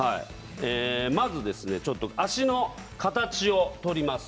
まず足の形を取ります。